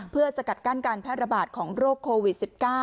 เพื่อสกัดกั้นการแพร่ระบาดของโรคโควิด๑๙